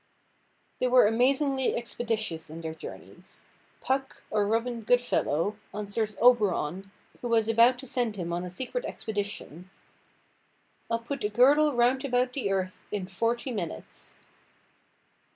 They were amazingly expeditious in their journeys. Puck, or Robin Goodfellow, answers Oberon, who was about to send him on a secret expedition— "I'll put a girdle round about the earth In forty minutes."